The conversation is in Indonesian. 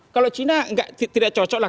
kalau cina tidak cocok lah